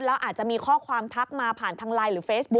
แล้วอาจจะมีข้อความทักมาผ่านทางไลน์หรือเฟซบุ๊